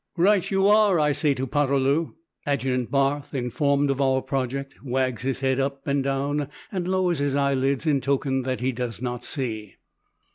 "Right you are!" I say to Poterloo. Adjutant Barthe, informed of our project, wags his head up and down, and lowers his eyelids in token that he does not see.